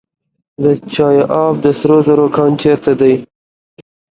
د چاه اب د سرو زرو کان چیرته دی؟